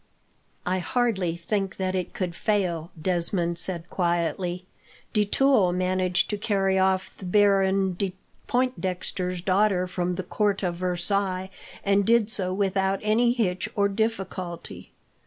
"I hardly think that it could fail," Desmond said quietly. "De Tulle managed to carry off the Baron de Pointdexter's daughter from the court of Versailles, and did so without any hitch or difficulty.